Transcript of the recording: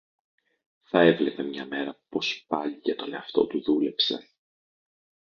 θα έβλεπε μια μέρα πως πάλι για τον εαυτό του δούλεψε